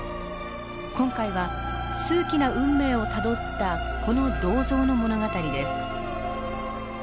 今回は数奇な運命をたどったこの銅像の物語です。